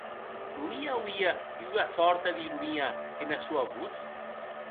Non i auie ua sòrta d'ironia ena sua votz?.